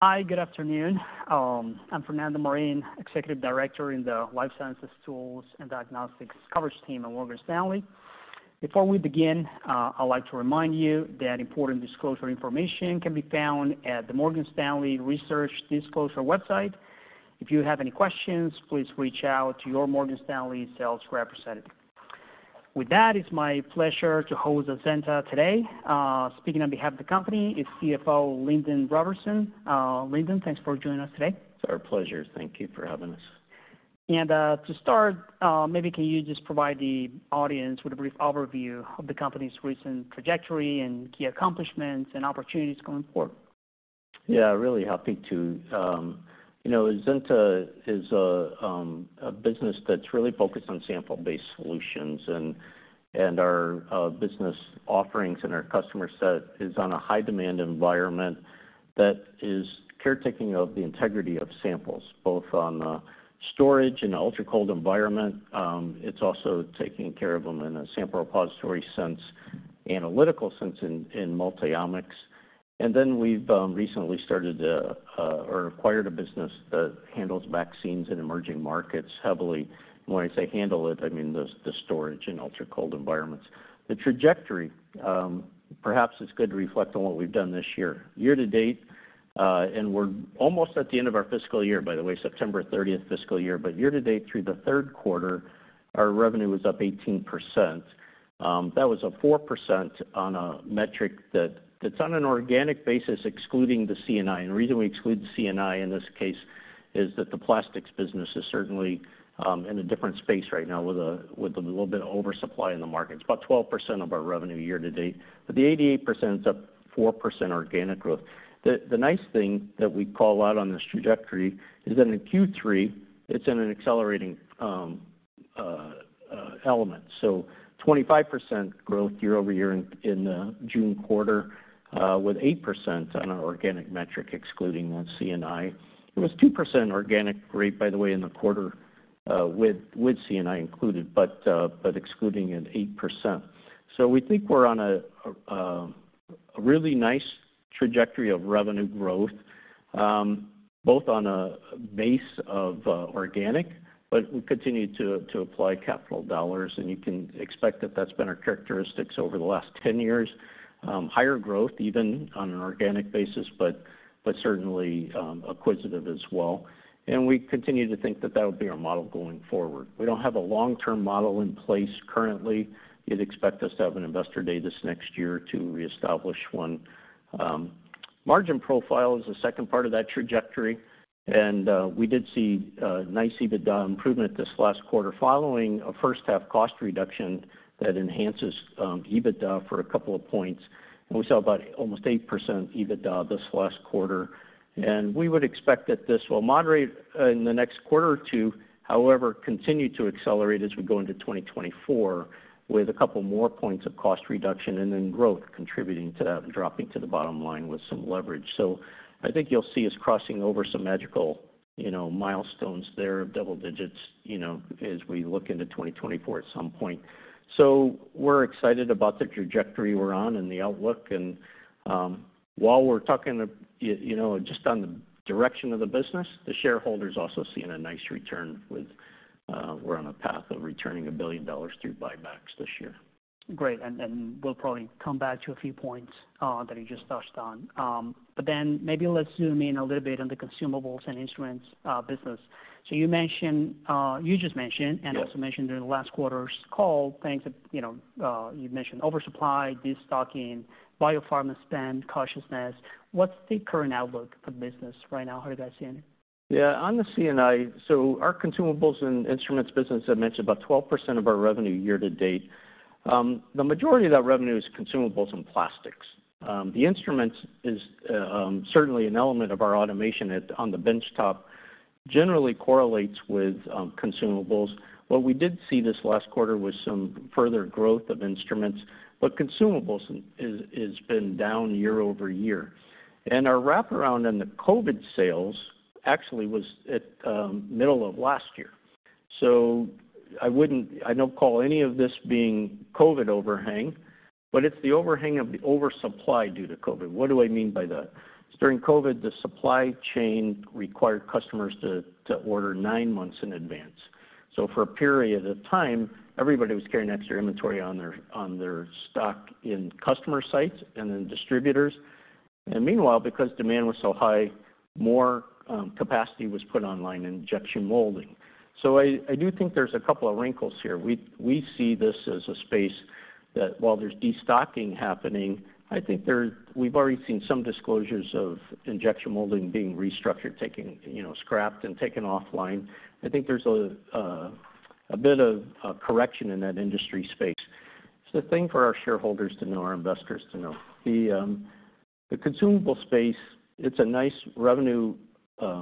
Hi, good afternoon. I'm Fernando Marin, Executive Director in the Life Sciences Tools and Diagnostics Coverage team at Morgan Stanley. Before we begin, I'd like to remind you that important disclosure information can be found at the Morgan Stanley Research Disclosure website. If you have any questions, please reach out to your Morgan Stanley sales representative. With that, it's my pleasure to host Azenta today. Speaking on behalf of the company is CFO Lindon Robertson. Lindon, thanks for joining us today. It's our pleasure. Thank you for having us. To start, maybe can you just provide the audience with a brief overview of the company's recent trajectory and key accomplishments and opportunities going forward? Yeah, really happy to. You know, Azenta is a business that's really focused on sample-based solutions, and our business offerings and our customer set is on a high-demand environment that is caretaking of the integrity of samples, both on the storage and ultra-cold environment. It's also taking care of them in a sample repository sense, analytical sense, in multiomics. And then we've recently started to or acquired a business that handles vaccines in emerging markets heavily. When I say handle it, I mean, the storage in ultra-cold environments. The trajectory, perhaps it's good to reflect on what we've done this year. Year to date, and we're almost at the end of our fiscal year, by the way, September 30th fiscal year, but year to date, through the third quarter, our revenue was up 18%. That was a 4% on a metric that, that's on an organic basis, excluding the C&I. And the reason we exclude the C&I in this case is that the plastics business is certainly in a different space right now with a, with a little bit of oversupply in the market. It's about 12% of our revenue year to date, but the 88% is up 4% organic growth. The nice thing that we call out on this trajectory is that in Q3, it's in an accelerating element. So 25% growth year-over-year in the June quarter with 8% on our organic metric, excluding C&I. It was 2% organic rate, by the way, in the quarter with C&I included, but excluding an 8%. So we think we're on a really nice trajectory of revenue growth, both on a base of organic, but we continue to apply capital dollars, and you can expect that that's been our characteristics over the last 10 years. Higher growth, even on an organic basis, but certainly acquisitive as well. And we continue to think that that will be our model going forward. We don't have a long-term model in place currently. You'd expect us to have an investor day this next year to reestablish one. Margin profile is the second part of that trajectory, and we did see a nice EBITDA improvement this last quarter, following a first-half cost reduction that enhances EBITDA for a couple of points. We saw about almost 8% EBITDA this last quarter, and we would expect that this will moderate in the next quarter or two, however, continue to accelerate as we go into 2024, with a couple more points of cost reduction and then growth contributing to that and dropping to the bottom line with some leverage. So I think you'll see us crossing over some magical, you know, milestones there, double digits, you know, as we look into 2024 at some point. So we're excited about the trajectory we're on and the outlook and, while we're talking, you know, just on the direction of the business, the shareholders are also seeing a nice return with, we're on a path of returning $1 billion through buybacks this year. Great, and we'll probably come back to a few points that you just touched on. But then maybe let's zoom in a little bit on the Consumables and Instruments business. So you mentioned you just mentioned- Yes. - and also mentioned during last quarter's call, things that, you know, you mentioned oversupply, destocking, biopharma spend, cautiousness. What's the current outlook for the business right now? How are you guys seeing it? Yeah, on the C&I, so our consumables and instruments business, I mentioned, about 12% of our revenue year to date. The majority of that revenue is consumables and plastics. The instruments is certainly an element of our automation on the benchtop, generally correlates with consumables. What we did see this last quarter was some further growth of instruments, but consumables is, has been down year-over-year. And our wraparound on the COVID sales actually was at middle of last year, so I wouldn't, I don't call any of this being COVID overhang, but it's the overhang of the oversupply due to COVID. What do I mean by that? During COVID, the supply chain required customers to order nine months in advance. So for a period of time, everybody was carrying extra inventory on their, on their stock in customer sites and then distributors. And meanwhile, because demand was so high, more, capacity was put online in injection molding. So I do think there's a couple of wrinkles here. We see this as a space that while there's destocking happening, I think there, we've already seen some disclosures of injection molding being restructured, taking, you know, scrapped and taken offline. I think there's a, a bit of a correction in that industry space. It's a thing for our shareholders to know, our investors to know. The, the consumable space, it's a nice revenue,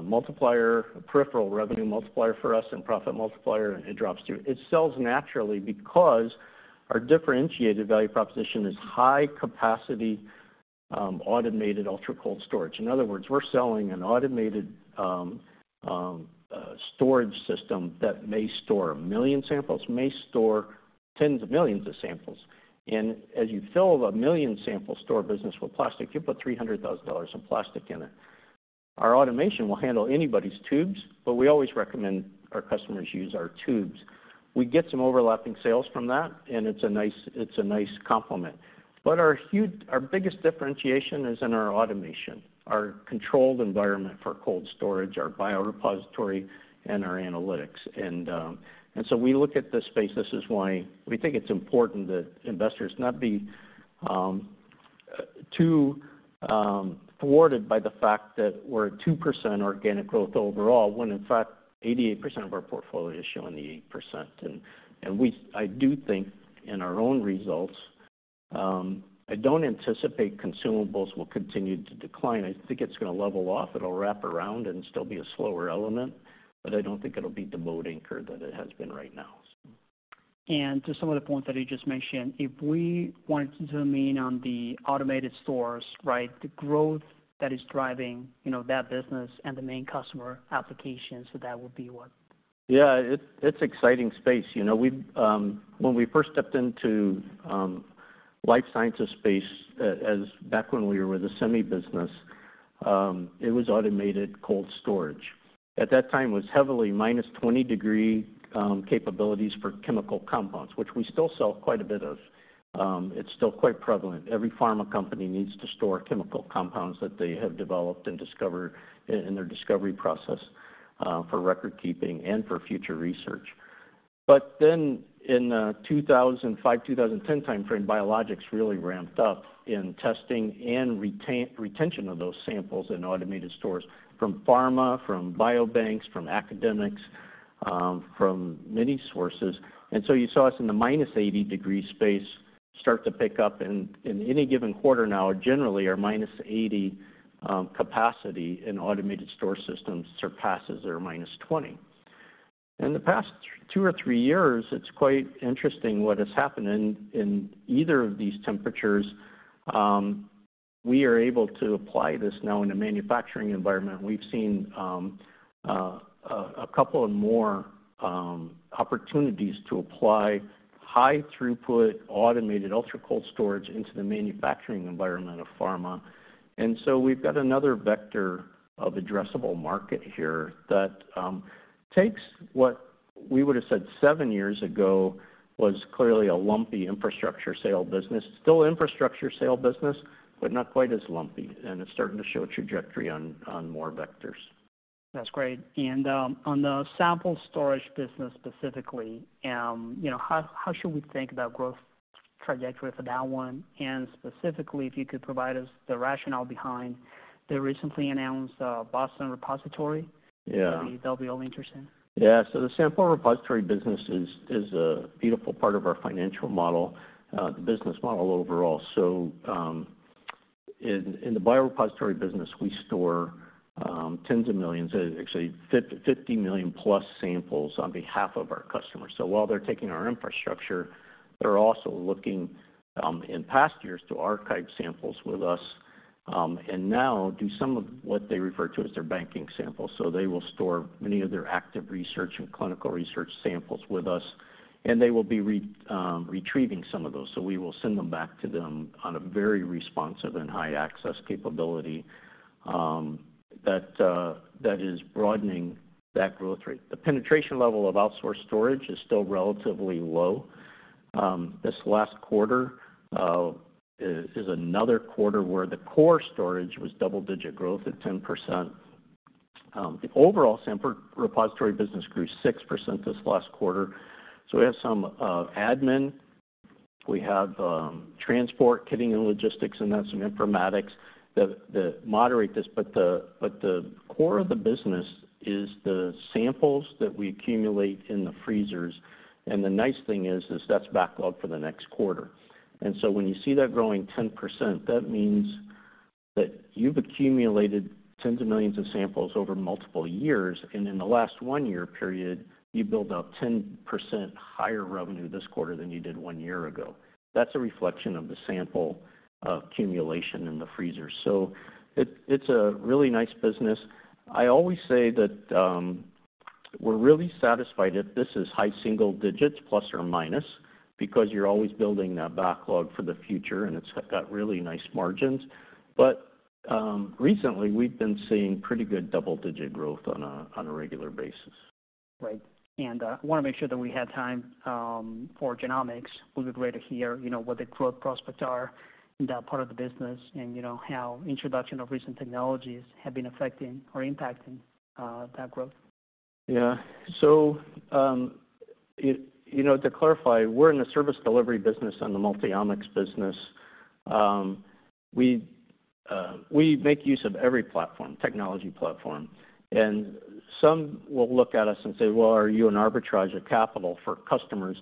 multiplier, peripheral revenue multiplier for us, and profit multiplier, it drops through. It sells naturally because our differentiated value proposition is high capacity, automated, ultra-cold storage. In other words, we're selling an automated storage system that may store a million samples, tens of millions of samples. And as you fill a million sample store business with plastic, you put $300,000 of plastic in it. Our automation will handle anybody's tubes, but we always recommend our customers use our tubes. We get some overlapping sales from that, and it's a nice complement. But our biggest differentiation is in our automation, our controlled environment for cold storage, our biorepository, and our analytics. And so we look at this space. This is why we think it's important that investors not be too thwarted by the fact that we're at 2% organic growth overall, when in fact, 88% of our portfolio is showing the 8%. I do think in our own results, I don't anticipate consumables will continue to decline. I think it's gonna level off. It'll wrap around and still be a slower element, but I don't think it'll be the boat anchor that it has been right now. To some of the points that you just mentioned, if we wanted to zoom in on the automated stores, right? The growth that is driving, you know, that business and the main customer applications, so that would be what? Yeah, it's exciting space. You know, we... When we first stepped into life sciences space, as back when we were the semi business, it was automated cold storage. At that time, it was heavily -20 degree capabilities for chemical compounds, which we still sell quite a bit of. It's still quite prevalent. Every pharma company needs to store chemical compounds that they have developed and discovered in their discovery process, for record keeping and for future research. But then in 2005-2010 timeframe, biologics really ramped up in testing and retention of those samples in automated stores, from pharma, from biobanks, from academics, from many sources. And so you saw us in the -80 degree space start to pick up, and in any given quarter now, generally, our -80 capacity in automated store systems surpasses our -20. In the past two or three years, it's quite interesting what has happened in either of these temperatures; we are able to apply this now in a manufacturing environment. We've seen a couple of more opportunities to apply high throughput, automated, ultra-cold storage into the manufacturing environment of pharma. And so we've got another vector of addressable market here that takes what we would've said seven years ago was clearly a lumpy infrastructure sale business. Still infrastructure sale business, but not quite as lumpy, and it's starting to show a trajectory on more vectors. That's great. And, on the sample storage business specifically, you know, how should we think about growth trajectory for that one? And specifically, if you could provide us the rationale behind the recently announced, Boston repository- Yeah. That'll be all interesting. Yeah. So the sample repository business is a beautiful part of our financial model, the business model overall. So, in the biorepository business, we store tens of millions, actually 50 million+ samples on behalf of our customers. So while they're taking our infrastructure, they're also looking in past years to archive samples with us, and now do some of what they refer to as their banking samples. So they will store many of their active research and clinical research samples with us, and they will be retrieving some of those. So we will send them back to them on a very responsive and high access capability that is broadening that growth rate. The penetration level of outsourced storage is still relatively low. This last quarter is another quarter where the core storage was double-digit growth at 10%. The overall sample repository business grew 6% this last quarter. So we have some admin, we have transport, kitting and logistics, and then some informatics that moderate this. But the core of the business is the samples that we accumulate in the freezers, and the nice thing is that's backlog for the next quarter. And so when you see that growing 10%, that means that you've accumulated tens of millions of samples over multiple years, and in the last one-year period, you built up 10% higher revenue this quarter than you did one year ago. That's a reflection of the sample accumulation in the freezer. So it's a really nice business. I always say that, we're really satisfied if this is high single digits, plus or minus, because you're always building that backlog for the future, and it's got really nice margins. But, recently, we've been seeing pretty good double-digit growth on a regular basis. Right. And, I wanna make sure that we have time for genomics. It would be great to hear, you know, what the growth prospects are in that part of the business and, you know, how introduction of recent technologies have been affecting or impacting that growth?. Yeah. So, you know, to clarify, we're in the service delivery business and the multi-omics business. We make use of every platform, technology platform, and some will look at us and say, "Well, are you an arbitrage of capital for customers?"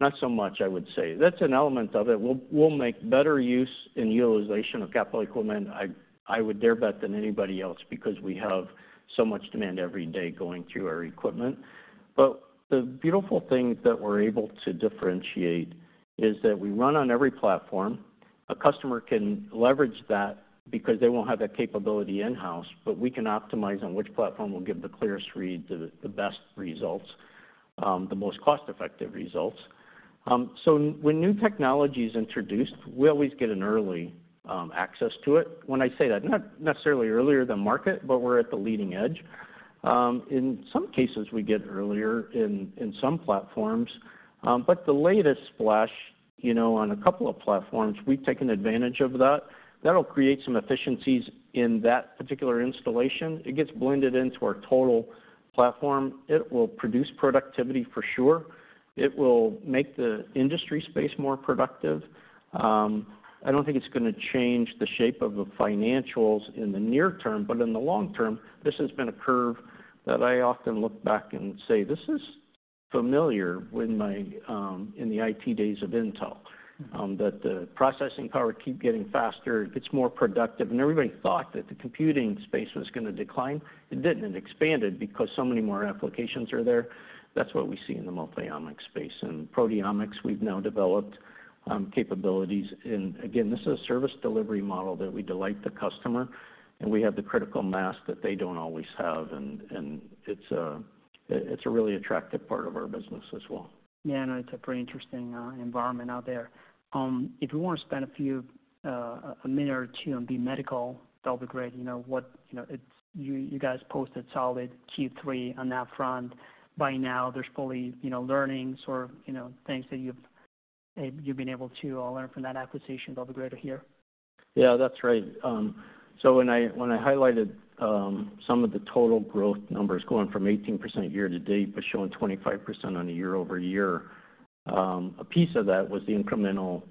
Not so much, I would say. That's an element of it. We'll make better use in utilization of capital equipment, I would dare bet, than anybody else, because we have so much demand every day going through our equipment. But the beautiful thing that we're able to differentiate, is that we run on every platform. A customer can leverage that because they won't have that capability in-house, but we can optimize on which platform will give the clearest read, the best results, the most cost-effective results. So when new technology is introduced, we always get an early access to it. When I say that, not necessarily earlier than market, but we're at the leading edge. In some cases, we get earlier in some platforms, but the latest splash, you know, on a couple of platforms, we've taken advantage of that. That'll create some efficiencies in that particular installation. It gets blended into our total platform. It will produce productivity for sure. It will make the industry space more productive. I don't think it's gonna change the shape of the financials in the near term, but in the long term, this has been a curve that I often look back and say: This is familiar with my in the IT days of Intel. that the processing power keep getting faster, it gets more productive, and everybody thought that the computing space was gonna decline. It didn't. It expanded because so many more applications are there. That's what we see in the Multiomics space. In proteomics, we've now developed capabilities. And again, this is a service delivery model that we delight the customer, and we have the critical mass that they don't always have, and it's a really attractive part of our business as well. Yeah, I know it's a pretty interesting environment out there. If you want to spend a few a minute or two on the medical, that'd be great. You know what... You know, it's you guys posted solid Q3 on that front. By now, there's probably, you know, learnings or, you know, things that you've been able to learn from that acquisition that'll be great to hear. Yeah, that's right. So when I highlighted some of the total growth numbers going from 18% year to date, but showing 25% on a year-over-year, a piece of that was the incremental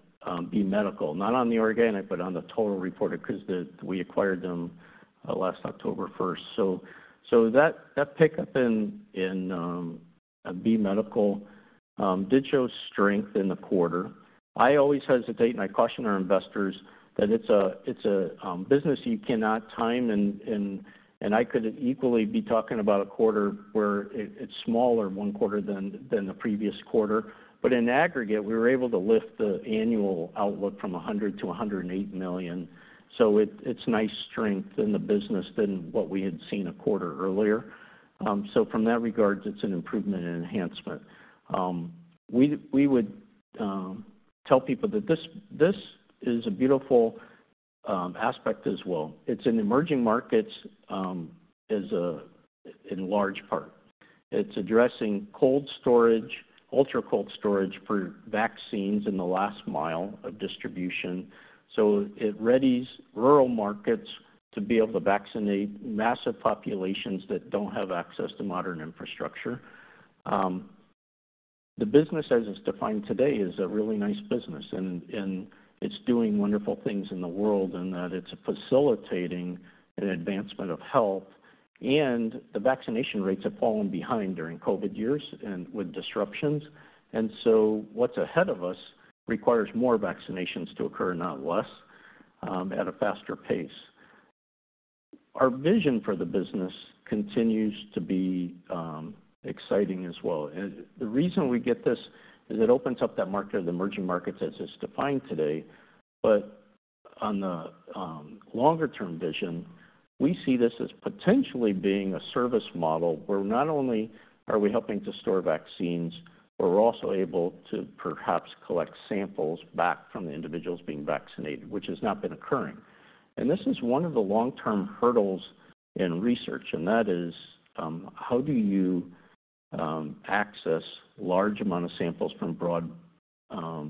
B Medical, not on the organic, but on the total reported, 'cause we acquired them last October 1st. So that pickup in B Medical did show strength in the quarter. I always hesitate, and I caution our investors that it's a business you cannot time, and I could equally be talking about a quarter where it's smaller one quarter than the previous quarter. But in aggregate, we were able to lift the annual outlook from $100 million-$108 million. So it's nice strength in the business than what we had seen a quarter earlier. So from that regards, it's an improvement and enhancement. We would tell people that this is a beautiful aspect as well. It's in emerging markets, in large part. It's addressing cold storage, ultra-cold storage for vaccines in the last mile of distribution, so it readies rural markets to be able to vaccinate massive populations that don't have access to modern infrastructure. The business, as it's defined today, is a really nice business, and it's doing wonderful things in the world, and that it's facilitating an advancement of health, and the vaccination rates have fallen behind during COVID years and with disruptions. So what's ahead of us requires more vaccinations to occur, not less, at a faster pace. Our vision for the business continues to be exciting as well. And the reason we get this is it opens up that market of the emerging markets as is defined today, but on the longer-term vision, we see this as potentially being a service model where not only are we helping to store vaccines, but we're also able to perhaps collect samples back from the individuals being vaccinated, which has not been occurring. And this is one of the long-term hurdles in research, and that is how do you access large amount of samples from broad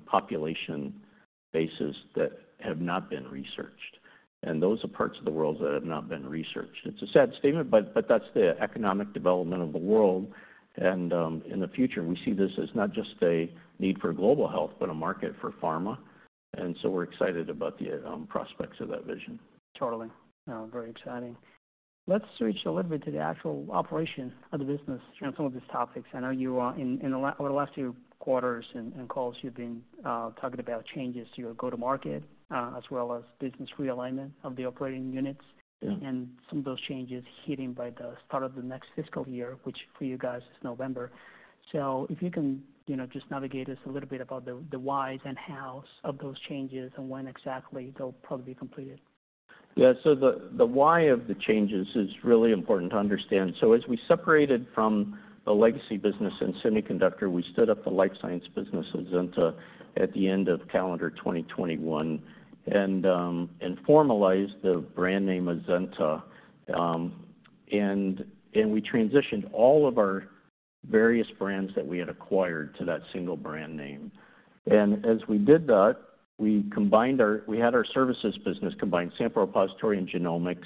population bases that have not been researched? And those are parts of the world that have not been researched. It's a sad statement, but that's the economic development of the world. In the future, we see this as not just a need for global health, but a market for pharma, and so we're excited about the prospects of that vision. Totally. Very exciting. Let's switch a little bit to the actual operation of the business and some of these topics. I know you, in the last few quarters and calls, you've been talking about changes to your go-to-market, as well as business realignment of the operating units. Yeah. Some of those changes hitting by the start of the next fiscal year, which for you guys, is November. If you can, you know, just navigate us a little bit about the whys and hows of those changes and when exactly they'll probably be completed. Yeah. So the why of the changes is really important to understand. So as we separated from the legacy business in semiconductor, we stood up the life science business, Azenta, at the end of calendar 2021, and formalized the brand name Azenta. And we transitioned all of our various brands that we had acquired to that single brand name. And as we did that, we had our services business combined, sample repository and genomics.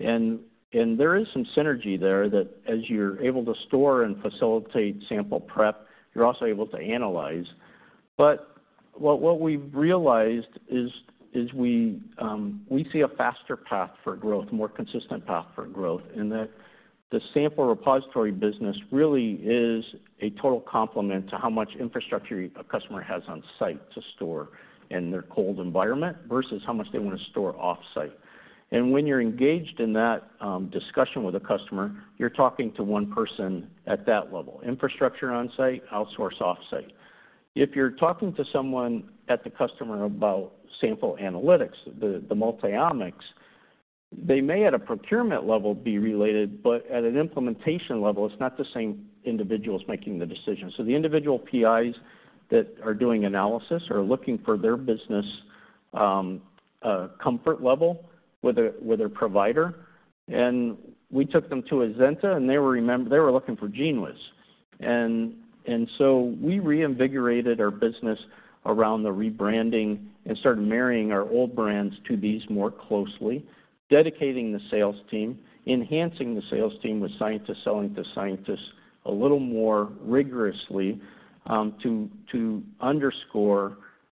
And there is some synergy there that as you're able to store and facilitate sample prep, you're also able to analyze. But what we've realized is we see a faster path for growth, more consistent path for growth, in that the sample repository business really is a total complement to how much infrastructure a customer has on-site to store in their cold environment versus how much they want to store off-site. And when you're engaged in that discussion with a customer, you're talking to one person at that level, infrastructure on-site, outsource off-site. If you're talking to someone at the customer about sample analytics, the multiomics they may, at a procurement level, be related, but at an implementation level, it's not the same individuals making the decisions. So the individual PIs that are doing analysis are looking for their business comfort level with a provider. And we took them to Azenta, and they were remember they were looking for GENEWIZ. So we reinvigorated our business around the rebranding and started marrying our old brands to these more closely, dedicating the sales team, enhancing the sales team with scientists selling to scientists a little more rigorously, to underscore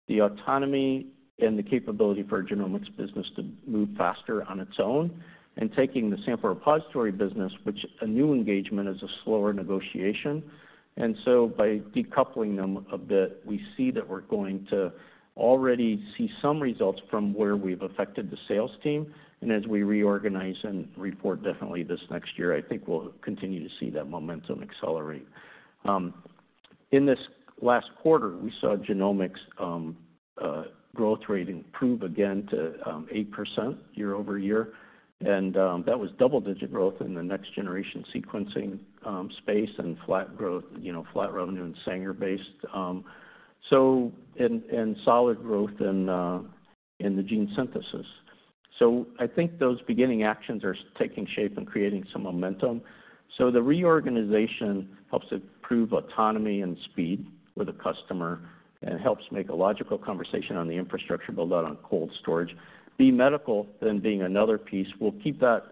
the autonomy and the capability for our genomics business to move faster on its own, and taking the sample repository business, which a new engagement is a slower negotiation. So by decoupling them a bit, we see that we're going to already see some results from where we've affected the sales team. As we reorganize and report definitely this next year, I think we'll continue to see that momentum accelerate. In this last quarter, we saw genomics growth rate improve again to 8% year-over-year. That was double-digit growth in the next-generation sequencing space and flat growth, you know, flat revenue and Sanger-based, and solid growth in the gene synthesis. So I think those beginning actions are taking shape and creating some momentum. So the reorganization helps improve autonomy and speed with the customer and helps make a logical conversation on the infrastructure build out on cold storage. B Medical, then being another piece, we'll keep that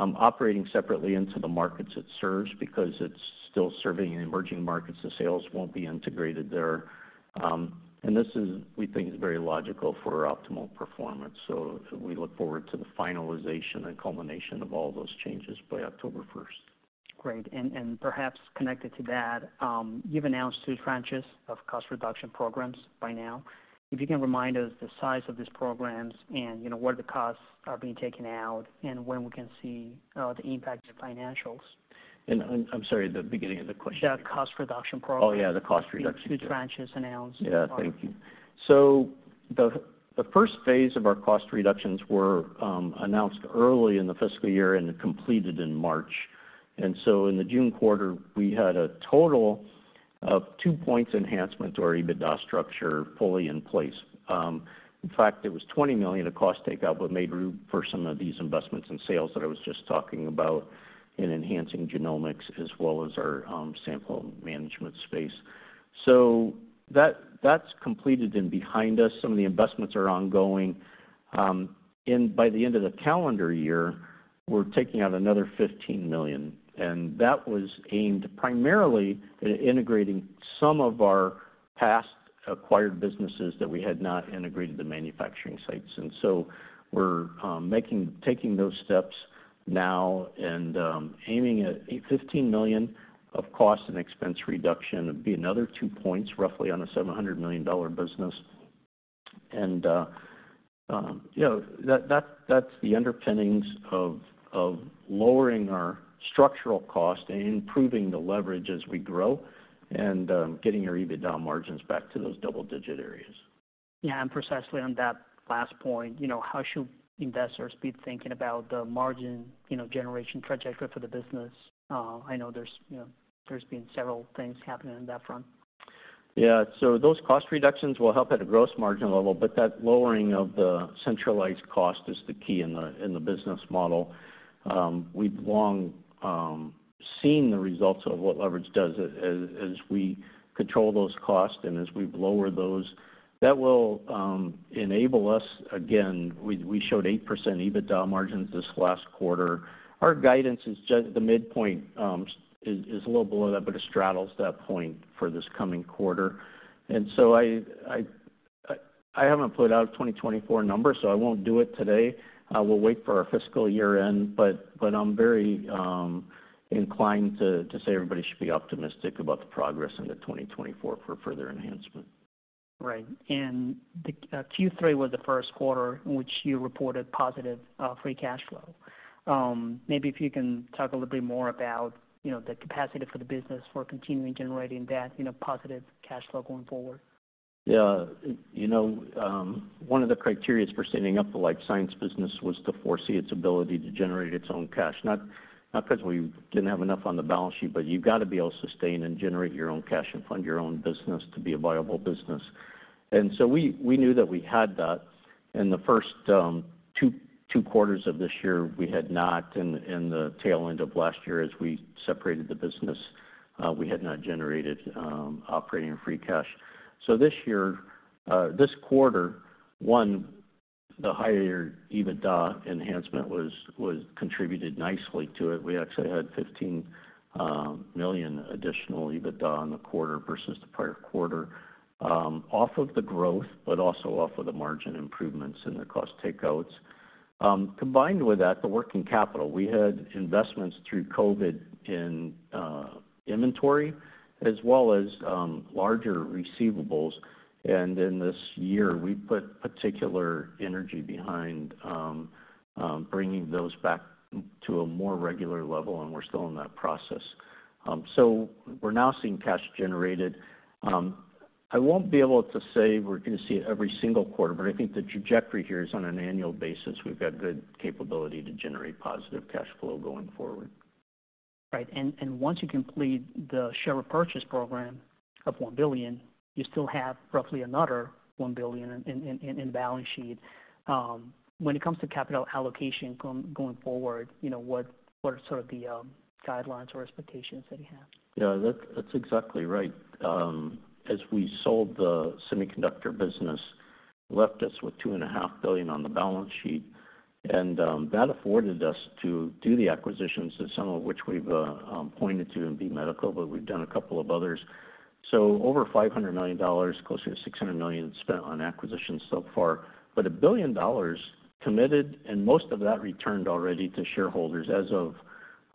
operating separately into the markets it serves because it's still serving in emerging markets. The sales won't be integrated there. And this is, we think, is very logical for optimal performance. So we look forward to the finalization and culmination of all those changes by October 1st. Great. And perhaps connected to that, you've announced two tranches of cost reduction programs by now. If you can remind us the size of these programs and, you know, where the costs are being taken out and when we can see the impact to financials. And I'm sorry, the beginning of the question? The cost reduction program. Oh, yeah, the cost reduction. Two tranches announced. Yeah, thank you. So the first phase of our cost reductions were announced early in the fiscal year and completed in March. And so in the June quarter, we had a total of two points enhancement to our EBITDA structure fully in place. In fact, it was $20 million of cost takeout, but made room for some of these investments in sales that I was just talking about in enhancing genomics as well as our sample management space. So that's completed and behind us. Some of the investments are ongoing. And by the end of the calendar year, we're taking out another $15 million, and that was aimed primarily at integrating some of our past acquired businesses that we had not integrated the manufacturing sites. And so we're making, taking those steps now and aiming at 15 million of cost and expense reduction. It'd be another two points, roughly, on a $700 million business. And you know, that's the underpinnings of lowering our structural cost and improving the leverage as we grow and getting our EBITDA margins back to those double-digit areas. Yeah, and precisely on that last point, you know, how should investors be thinking about the margin, you know, generation trajectory for the business? I know, you know, there's been several things happening on that front. Yeah, so those cost reductions will help at a gross margin level, but that lowering of the centralized cost is the key in the business model. We've long seen the results of what leverage does as we control those costs and as we lower those, that will enable us. Again, we showed 8% EBITDA margins this last quarter. Our guidance is just the midpoint is a little below that, but it straddles that point for this coming quarter. And so I haven't put out a 2024 number, so I won't do it today. I will wait for our fiscal year-end, but I'm very inclined to say everybody should be optimistic about the progress into 2024 for further enhancement. Right. And the Q3 was the first quarter in which you reported positive free cash flow. Maybe if you can talk a little bit more about, you know, the capacity for the business for continuing generating that, you know, positive cash flow going forward. Yeah. You know, one of the criteria for standing up the life science business was to foresee its ability to generate its own cash. Not, not because we didn't have enough on the balance sheet, but you've got to be able to sustain and generate your own cash and fund your own business to be a viable business. And so we, we knew that we had that. In the first two quarters of this year, we had not, and the tail end of last year, as we separated the business, we had not generated operating free cash. So this year, this quarter one, the higher EBITDA enhancement was contributed nicely to it. We actually had $15 million additional EBITDA in the quarter versus the prior quarter, off of the growth, but also off of the margin improvements and the cost takeouts. Combined with that, the working capital. We had investments through COVID in inventory as well as larger receivables, and in this year, we put particular energy behind bringing those back to a more regular level, and we're still in that process. So we're now seeing cash generated. I won't be able to say we're gonna see it every single quarter, but I think the trajectory here is on an annual basis. We've got good capability to generate positive cash flow going forward. Right, and once you complete the share repurchase program of $1 billion, you still have roughly another $1 billion in the balance sheet. When it comes to capital allocation going forward, you know, what are sort of the guidelines or expectations that you have? Yeah, that's, that's exactly right. As we sold the semiconductor business, left us with $2.5 billion on the balance sheet, and that afforded us to do the acquisitions, and some of which we've pointed to in B Medical, but we've done a couple of others. So over $500 million, closer to $600 million, spent on acquisitions so far, but $1 billion committed, and most of that returned already to shareholders. As of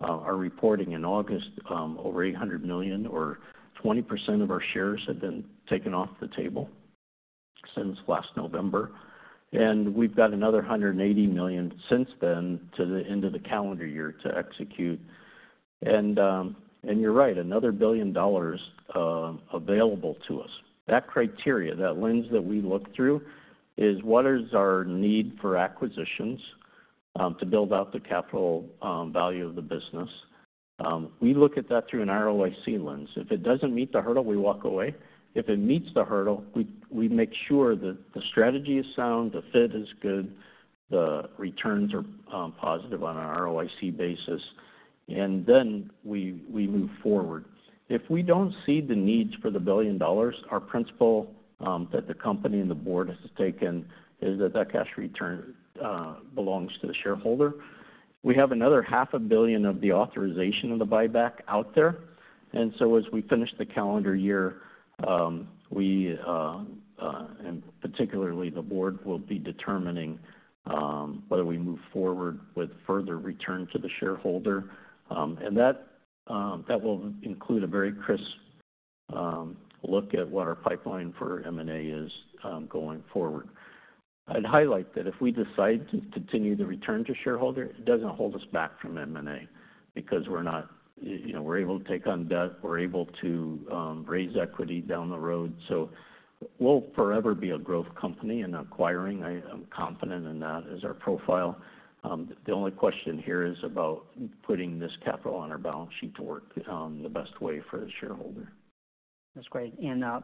our reporting in August, over $800 million or 20% of our shares have been taken off the table since last November. And we've got another $180 million since then to the end of the calendar year to execute. And you're right, another $1 billion available to us. That criteria, that lens that we look through, is what is our need for acquisitions, to build out the capital, value of the business. We look at that through an ROIC lens. If it doesn't meet the hurdle, we walk away. If it meets the hurdle, we, we make sure that the strategy is sound, the fit is good, the returns are, positive on an ROIC basis, and then we, we move forward. If we don't see the needs for the $1 billion, our principle, that the company and the board has taken, is that that cash return, belongs to the shareholder. We have another $500 million of the authorization of the buyback out there, and so as we finish the calendar year, we, and particularly the board, will be determining whether we move forward with further return to the shareholder. And that will include a very crisp look at what our pipeline for M&A is going forward. I'd highlight that if we decide to continue the return to shareholder, it doesn't hold us back from M&A because we're not, you know, we're able to take on debt, we're able to raise equity down the road. So we'll forever be a growth company and acquiring, I'm confident in that, as our profile. The only question here is about putting this capital on our balance sheet to work the best way for the shareholder. That's great. You know,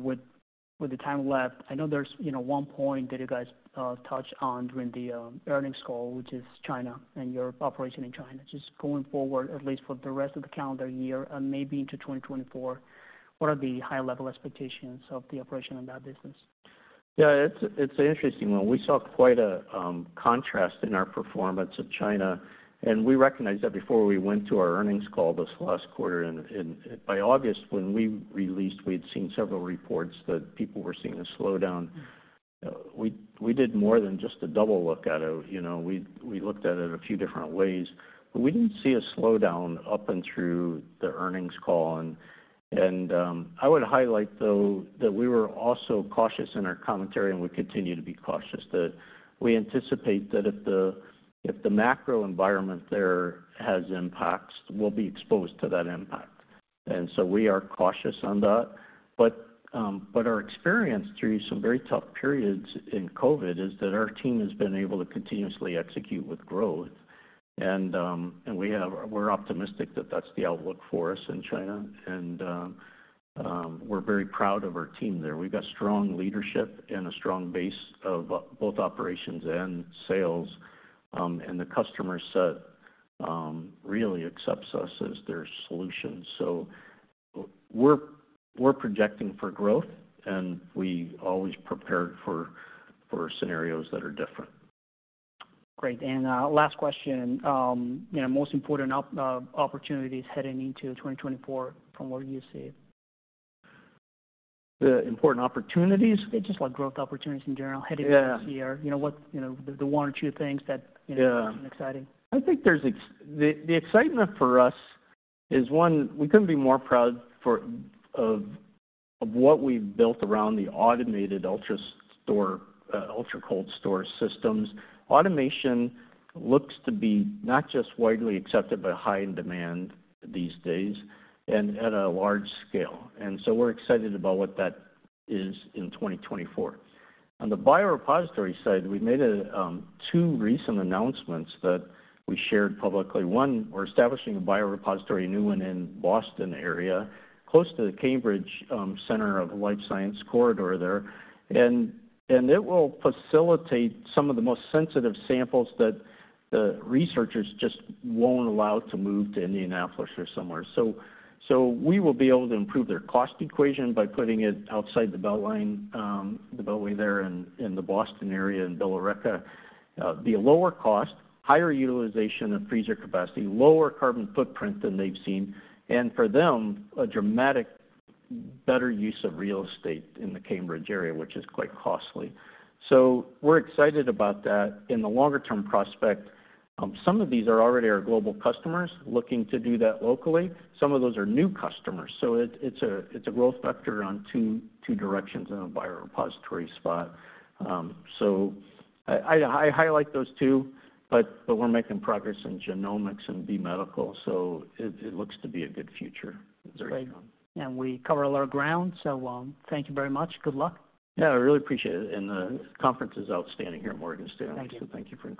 with the time left, I know there's you know, one point that you guys touched on during the earnings call, which is China and your operation in China. Just going forward, at least for the rest of the calendar year and maybe into 2024, what are the high-level expectations of the operation in that business? Yeah, it's an interesting one. We saw quite a contrast in our performance of China, and we recognized that before we went to our earnings call this last quarter. And by August, when we released, we'd seen several reports that people were seeing a slowdown. We did more than just a double look at it. You know, we looked at it a few different ways, but we didn't see a slowdown up and through the earnings call. And I would highlight, though, that we were also cautious in our commentary, and we continue to be cautious, that we anticipate that if the macro environment there has impacts, we'll be exposed to that impact. And so we are cautious on that. But our experience through some very tough periods in COVID is that our team has been able to continuously execute with growth. And we have—we're optimistic that that's the outlook for us in China, and we're very proud of our team there. We've got strong leadership and a strong base of both operations and sales, and the customer set really accepts us as their solution. So we're projecting for growth, and we always prepared for scenarios that are different. Great. Last question, you know, most important opportunities heading into 2024, from what you see? The important opportunities? Just like growth opportunities in general, heading into this year. Yeah. You know, the one or two things that, you know- Yeah. -are exciting. I think the excitement for us is, one, we couldn't be more proud for, of, of what we've built around the automated ultracold store systems. Automation looks to be not just widely accepted, but high in demand these days and at a large scale, and so we're excited about what that is in 2024. On the biorepository side, we made two recent announcements that we shared publicly. One, we're establishing a biorepository, a new one in Boston area, close to the Cambridge center of the Life Science corridor there. And it will facilitate some of the most sensitive samples that the researchers just won't allow to move to Indianapolis or somewhere. So we will be able to improve their cost equation by putting it outside the belt line, the beltway there in the Boston area, in Billerica. The lower cost, higher utilization of freezer capacity, lower carbon footprint than they've seen, and for them, a dramatic better use of real estate in the Cambridge area, which is quite costly. So we're excited about that. In the longer-term prospect, some of these are already our global customers looking to do that locally. Some of those are new customers, so it's a growth vector on two directions in a biorepository spot. So I highlight those two, but we're making progress in genomics and B Medical, so it looks to be a good future. It's very strong. We covered a lot of ground, so, thank you very much. Good luck. Yeah, I really appreciate it, and the conference is outstanding here at Morgan Stanley. Thank you. Thank you for including me.